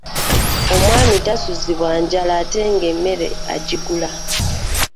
Omwami tasuzibwa njala ate ng'emmere agigula.